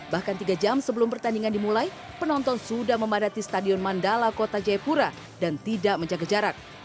bahkan tiga jam sebelum pertandingan dimulai penonton sudah memadati stadion mandala kota jayapura dan tidak menjaga jarak